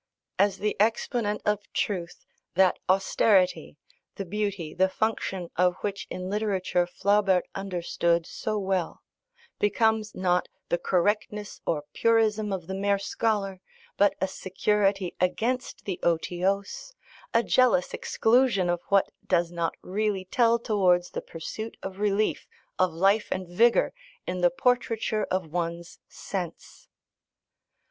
As the exponent of truth, that austerity (the beauty, the function, of which in literature Flaubert understood so well) becomes not the correctness or purism of the mere scholar, but a security against the otiose, a jealous exclusion of what does not really tell towards the pursuit of relief, of life and vigour in the portraiture of one's sense.